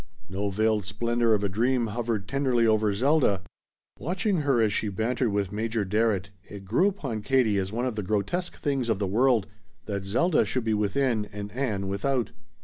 No veiled splendor of a dream hovered tenderly over Zelda. Watching her as she bantered with Major Barrett it grew upon Katie as one of the grotesque things of the world that Zelda should be within and Ann without.